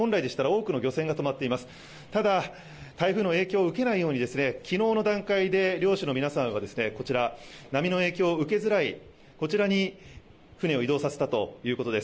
ただ台風の影響を受けないようにきのうの段階で漁師の皆さんは波の影響を受けづらいこちらに船を移動させたということです。